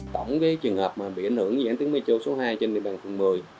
tổng trường hợp bị ảnh hưởng dự án tuyến mê chô số hai trên địa bàn phần một mươi